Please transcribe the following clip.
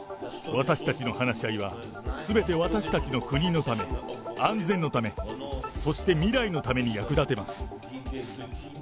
私たちの話し合いは、すべて私たちの国のため、安全のため、そして未来のために役立てます。